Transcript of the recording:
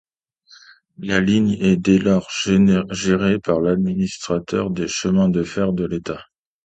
La ligne est dès lors gérée par l'Administration des chemins de fer de l'État.